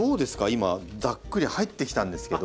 今ざっくり入ってきたんですけど。